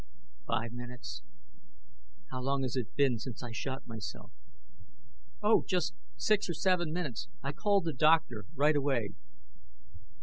"Five minutes ... How long has it been since I shot myself?" "Oh, just six or seven minutes. I called the doctor right away."